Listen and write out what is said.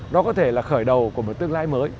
đó có thể là khởi đầu của một tương lai mới